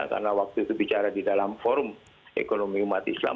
karena waktu itu bicara di dalam forum ekonomi umat islam